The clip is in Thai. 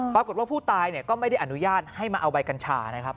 ปรากฏว่าผู้ตายก็ไม่ได้อนุญาตให้มาเอาใบกัญชานะครับ